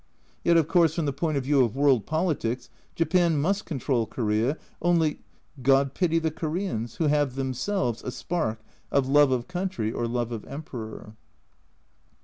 Yet, of course, from the point of view of world politics Japan must control Korea, only God pity the Koreans who have themselves a spark of " love of country " or " love of Emperor."